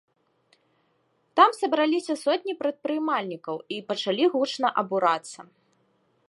Там сабраліся сотні прадпрымальнікаў і пачалі гучна абурацца.